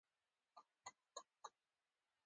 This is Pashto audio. زړه د رحم ښکلی انځور دی.